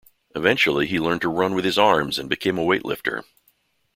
Eventually he learned to run with his arms and became a weightlifter.